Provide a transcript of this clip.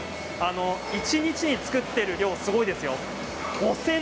一日に作っている量すごいですよ。